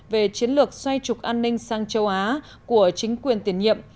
về chiến lược xoay trục an ninh sang châu á của chính quyền tiền nhiệm